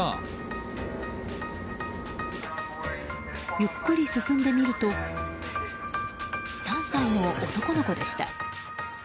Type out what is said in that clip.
ゆっくり進んでみると３歳の男の子でした。